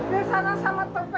biasanya sama tante